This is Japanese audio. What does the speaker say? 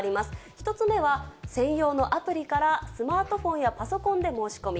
１つ目は、専用のアプリからスマートフォンやパソコンで申し込み。